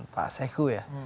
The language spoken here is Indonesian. pak seku ya